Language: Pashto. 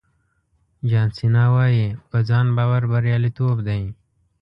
جان سینا وایي په ځان باور بریالیتوب دی.